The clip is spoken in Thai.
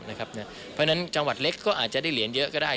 เพราะฉะนั้นจังหวัดเล็กก็อาจจะได้เหรียญเยอะก็ได้